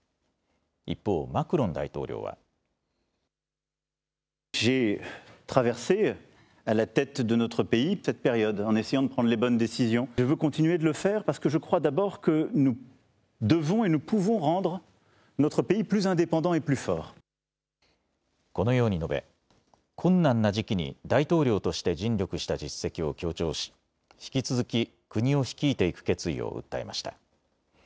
一方、マクロン大統領は。このように述べ困難な時期に大統領として尽力した実績を強調し引き続き国を率いていく決意を訴えました。